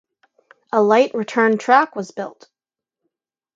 A light return track was built.